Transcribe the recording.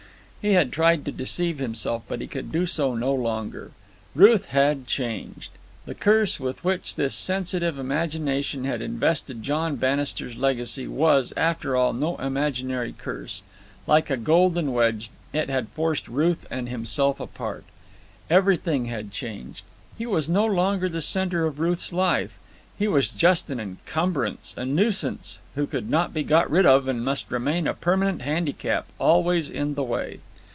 He had tried to deceive himself, but he could do so no longer. Ruth had changed. The curse with which his sensitive imagination had invested John Bannister's legacy was, after all no imaginary curse. Like a golden wedge, it had forced Ruth and himself apart. Everything had changed. He was no longer the centre of Ruth's life. He was just an encumbrance, a nuisance who could not be got rid of and must remain a permanent handicap, always in the way.